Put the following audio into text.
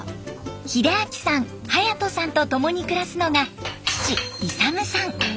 秀明さん勇人さんと共に暮らすのが父勇さん。